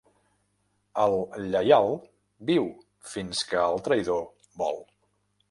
El lleial viu fins que el traïdor vol.